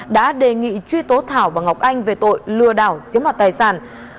đã đề nghị truy tố thảo và ngọc anh về tội lừa đảo chiếm đoạt tài sản